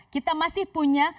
kita masih punya